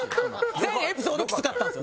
全エピソードきつかったですよ。